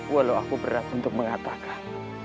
walau aku berat untuk mengatakan